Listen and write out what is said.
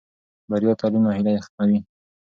بریالی تعلیم ناهیلي ختموي.